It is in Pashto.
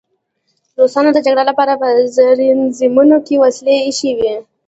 روسانو د جګړې لپاره په زیرزمینیو کې وسلې ایښې وې